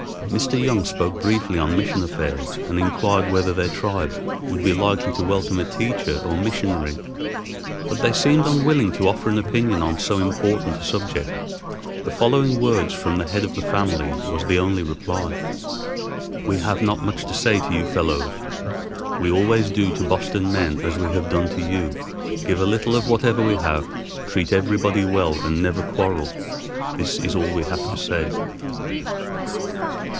Mr. Young spoke briefly on mission affairs and inquired whether their tribe would be likely to welcome a teacher or missionary. But they seemed unwilling to offer an opinion on so important a subject. The following words from the head of the family was the only reply:— "We have not much to say to you fellows. We always do to Boston men as we have done to you, give a little of whatever we have, treat everybody well and never quarrel. This is all we have to say."